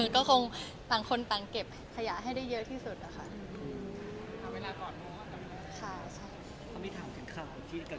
ก็คงต่างคนต่างเก็บขยะให้ได้เยอะที่สุดนะคะ